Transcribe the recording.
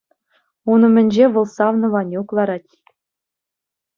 Ун умӗнче вӑл савнӑ Ванюк ларать.